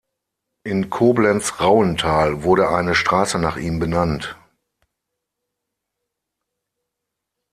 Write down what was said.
In Koblenz-Rauental wurde eine Straße nach ihm benannt.